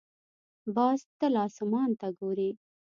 باز تل اسمان ته ګوري